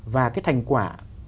và cái thành quả